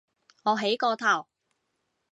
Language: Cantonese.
我起個頭